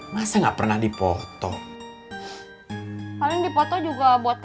masa enggak pernah dipotong